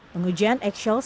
pengujian excel statistik